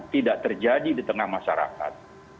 tidak terjadi di tengah masyarakat